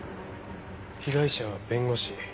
被害者は弁護士。